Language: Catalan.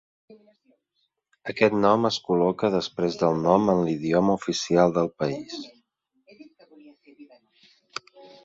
Aquest nom es col·loca després del nom en l'idioma oficial del país.